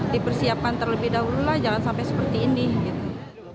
dipersiapkan terlebih dahululah jangan sampai seperti ini